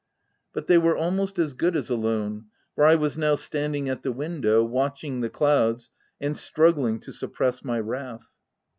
But they were almost as good as alone, for I was now standing at the window, watching the clouds, and struggling to suppress my wrath.